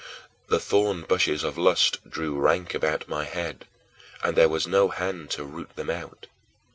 The thornbushes of lust grew rank about my head, and there was no hand to root them out.